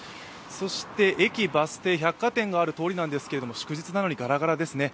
そして駅、バス停、百貨店がある通りなんですが祝日なのにガラガラですね。